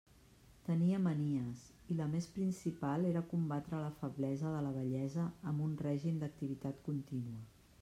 Tenia manies, i la més principal era combatre la feblesa de la vellesa amb un règim d'activitat contínua.